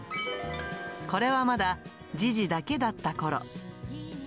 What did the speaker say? これはまだ、ジジだけだったころ。